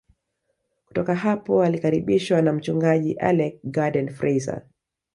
Kutoka hapo alikaribishwa na mchungaji Alec Garden Fraser